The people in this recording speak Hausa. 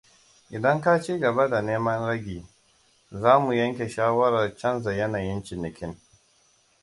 Idan ka ci gaba da neman ragi, za mu yanke shawarar canza yanayin cinikin.